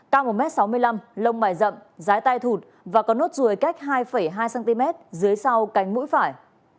cao một m sáu mươi năm lông bài rậm rái tai thụt và có nốt ruồi cách hai hai cm dưới sau cánh mũi phải